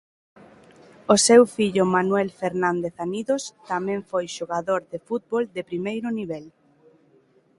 O seu fillo Manuel Fernández Anidos tamén foi xogador de fútbol de primeiro nivel.